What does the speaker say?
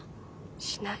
しない。